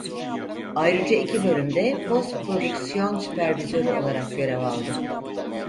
Ayrıca iki bölümde post-prodüksiyon süpervizörü olarak görev aldı.